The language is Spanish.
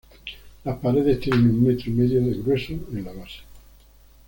Las paredes tienen un metro y medio de grueso en la base.